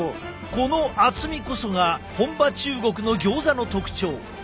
この厚みこそが本場中国のギョーザの特徴。